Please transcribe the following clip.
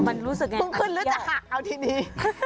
ฟันขึ้นหรือจะหักเอาทีนี้